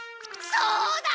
そうだ！